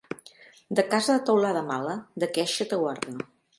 De casa de teulada mala, d'aqueixa te guarda.